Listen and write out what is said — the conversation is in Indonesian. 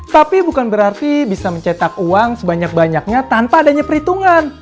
tapi bukan berarti bisa mencetak uang sebanyak banyaknya tanpa adanya perhitungan